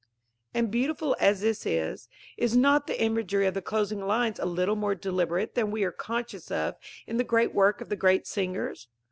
And, beautiful as this is, is not the imagery of the closing lines a little more deliberate than we are conscious of in the great work of the great singers?